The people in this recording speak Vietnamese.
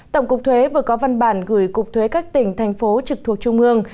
tổng cục thuế vừa có văn bản gửi cục thuế các tỉnh thành phố trực thuộc trung ương